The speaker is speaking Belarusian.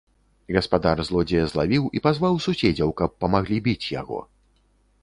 Гаспадар злодзея злавіў і пазваў суседзяў, каб памаглі біць яго.